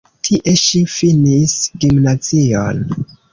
Tie ŝi finis gimnazion.